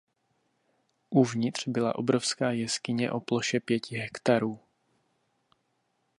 Uvnitř byla obrovská jeskyně o ploše pěti hektarů.